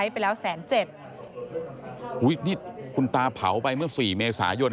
ไปแล้วแสนเจ็ดอุ้ยนี่คุณตาเผาไปเมื่อสี่เมษายน